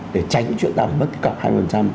để tránh chuyện nào mà mất cái cọc hai mươi